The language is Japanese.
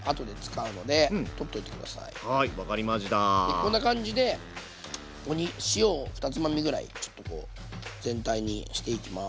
こんな感じでここに塩を２つまみぐらいちょっとこう全体にしていきます。